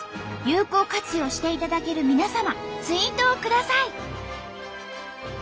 有効活用していただける皆様ツイートをください！」。